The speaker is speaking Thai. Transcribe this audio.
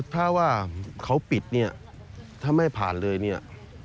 ถ้าว่าเขาก็ปิดถ้าไม่ผ่านเลย